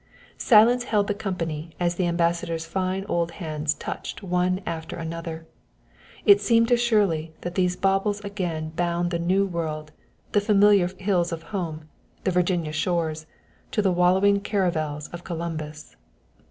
Silence held the company as the Ambassador's fine old hands touched one after another. It seemed to Shirley that these baubles again bound the New World, the familiar hills of home, the Virginia shores, to the wallowing caravels of Columbus.